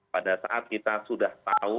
pada saat kita sudah tahu